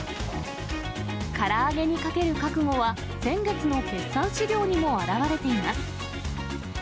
から揚げにかける覚悟は、先月の決算資料にも表れています。